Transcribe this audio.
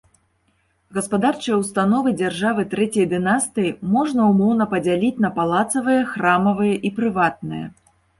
Гаспадарчыя ўстановы дзяржавы трэцяй дынастыі можна ўмоўна падзяліць на палацавыя, храмавыя і прыватныя.